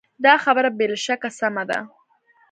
دا خبره بې له شکه سمه ده.